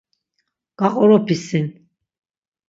Gaqoropi sin.